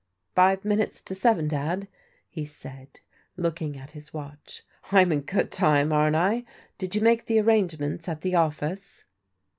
" Five minutes to seven, Dad," he said, looking at his watch. "Fm in good time, aren't I? Did you make arrangements at the ofiice